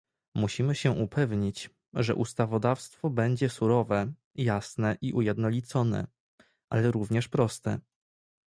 Musimy się upewnić, że ustawodawstwo będzie surowe, jasne i ujednolicone, ale również proste